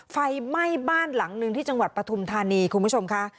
ไฟไหม้บ้านหลังหนึ่งที่จังหวัดปฐุมธานีคุณผู้ชมค่ะ